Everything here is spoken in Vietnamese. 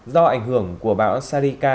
do ảnh hưởng của bão sarika